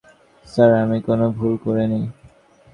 Sir, আমি কোনো ভুল করিনি।